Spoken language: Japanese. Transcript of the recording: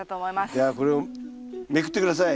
じゃあこれをめくって下さい。